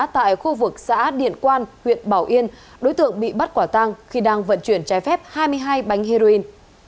tại khu vực xã điện quan huyện bảo yên đối tượng bị bắt quả tang khi đang vận chuyển trái phép hai mươi hai bánh heroin